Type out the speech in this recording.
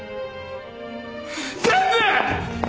全部！